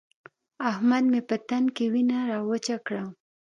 احمد مې په تن کې وينه راوچه کړه.